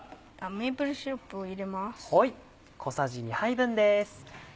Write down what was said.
メープルシロップを入れます。